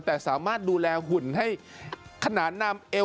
แต่สามารถดูแลหุ่นให้ขนานนามเอว